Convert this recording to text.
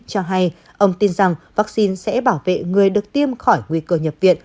cho hay ông tin rằng vaccine sẽ bảo vệ người được tiêm khỏi nguy cơ nhập viện